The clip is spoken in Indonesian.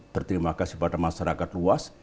berterima kasih pada masyarakat luas